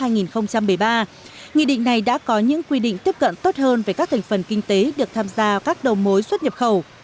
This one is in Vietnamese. nghị định này đã có những quy định tiếp cận tốt hơn về các thành phần kinh tế được tham gia các đầu mối xuất nhập khẩu